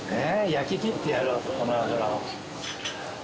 焼ききってやろうとこの脂を。